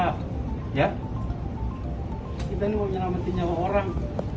kita ini mau menyelamatkan nyawa orang